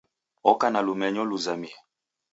Oko na lumenyo luzamie.